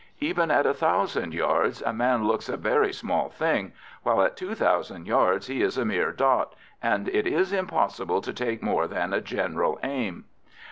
Even at 1000 yards a man looks a very small thing, while at 2000 yards he is a mere dot, and it is impossible to take more than a general aim.